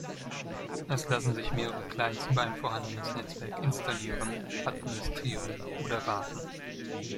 Es lassen sich mehrere Clients über ein vorhandenes Netzwerk installieren, administrieren oder warten.